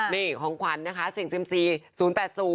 นี่ของขวัญนะคะ๐๘๐บาท